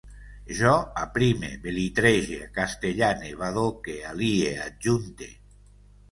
Jo aprime, belitrege, acastellane, badoque, alie, adjunte